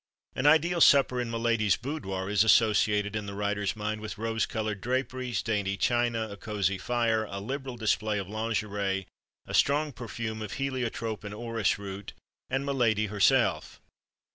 An ideal supper in miladi's boudoir is associated, in the writer's mind, with rose coloured draperies, dainty china, a cosy fire, a liberal display of lingerie, a strong perfume of heliotrope and orris root and miladi herself.